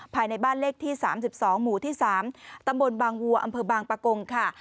ภายในบ้านเลขที่๓๒หมู่ที่๓ตำบลบางวัวอำเภอบางปะกงค่ะ